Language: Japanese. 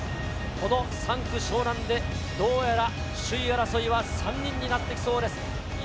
３区・湘南でどうやら首位争いは３人になってきそうです。